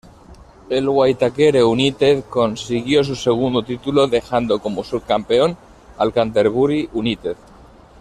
El Waitakere United consiguió su segundo título dejando como subcampeón al Canterbury United.